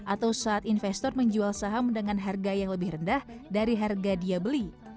atau saat investor menjual saham dengan harga yang lebih rendah dari harga dia beli